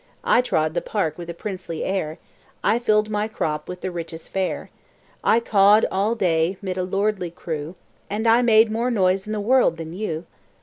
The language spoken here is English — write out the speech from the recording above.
"I trod the park with a princely air; I filled my crop with the richest fare; I cawed all day 'mid a lordly crew, And I made more noise in the world than you!